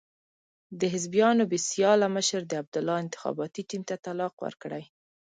د حزبیانو بې سیاله مشر د عبدالله انتخاباتي ټیم ته طلاق ورکړی.